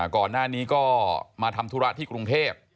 ก่อนหน้านี้ก็มาทำธุระที่กรุงเทพ